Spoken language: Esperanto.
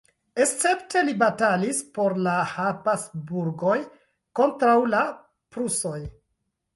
Escepte li batalis por la Habsburgoj kontraŭ la prusoj.